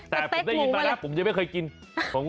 แต่ผมได้ยินมาแล้วผมยังไม่เคยกิน